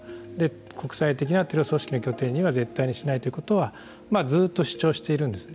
国際的なテロ組織の拠点には絶対にしないということはずっと主張しているんですね。